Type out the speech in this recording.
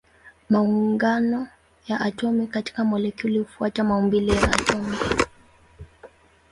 Maungano ya atomi katika molekuli hufuata maumbile ya atomi.